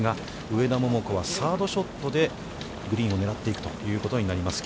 上田桃子は、サードショットでグリーンをねらっていくということになります。